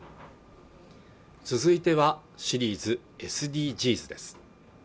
続いてはシリーズＳＤＧｓです